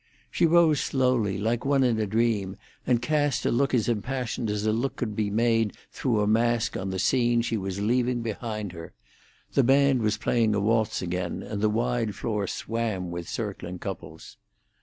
She rose slowly, like one in a dream, and cast a look as impassioned as a look could be made through a mask on the scene she was leaving behind her. The band was playing a waltz again, and the wide floor swam with circling couples.